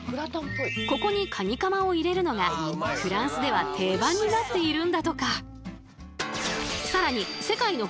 ここにカニカマを入れるのがフランスでは定番になっているんだとか。